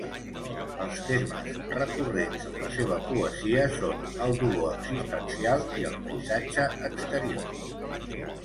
Els temes recurrents en la seva poesia són el dolor existencial i el paisatge exterior.